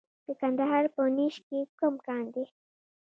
د کندهار په نیش کې کوم کان دی؟